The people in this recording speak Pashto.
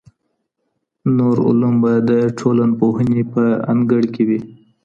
نور علوم به د ټولنپوهنې په انګړ کي وي.